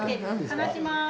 離します。